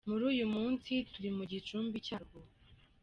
Muri uyu munsi turi mu gicumbi cyarwo.